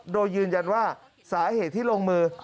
โดยยืนยันว่าสาเหตุที่ลงมือ